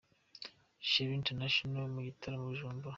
Cheoru internatioanl mu gitaramo i Bujumbura.